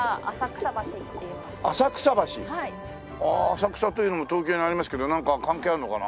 浅草というのも東京にありますけどなんか関係あるのかな？